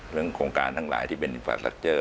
เรื่องโครงการทั้งหลายที่เป็นอินฟาสตรัคเจอร์